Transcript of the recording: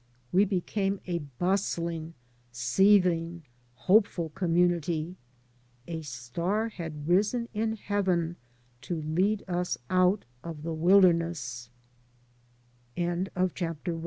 We became a bustling, seething, hopeful community. A star had risen in heaven to lead us out of the wilder